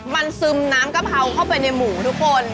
มันซึมน้ำกะเพราเข้าไปในหมูทุกคน